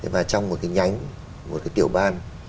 và trong một cái nhánh một cái tiểu ban